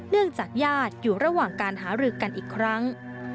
เนื่องจากญาติอยู่ระหว่างการหารือกันอีกครั้ง